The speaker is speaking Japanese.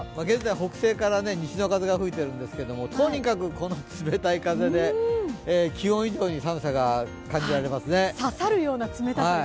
現在、北西から西の風が吹いているんですけれども、とにかく冷たい風で、気温以上に寒さが感じられますね。